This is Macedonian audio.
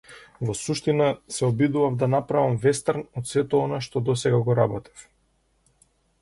Во суштина, се обидував да направам вестерн од сето она што досега го работев.